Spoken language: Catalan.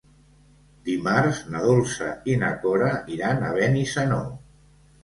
Dimarts na Dolça i na Cora iran a Benissanó.